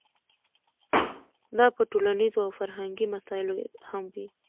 دا په ټولنیزو او فرهنګي مسایلو هم وي.